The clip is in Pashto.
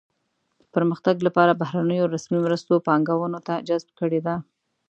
د پرمختګ لپاره بهرنیو رسمي مرستو پانګونه جذب کړې ده.